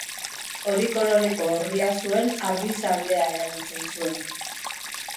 Hori koloreko orria zuen argi sablea erabiltzen zuen.